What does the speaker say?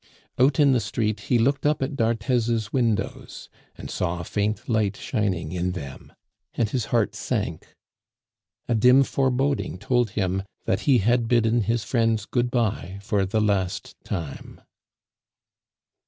Out in the street, he looked up at d'Arthez's windows, and saw a faint light shining in them, and his heart sank. A dim foreboding told him that he had bidden his friends good bye for the last time.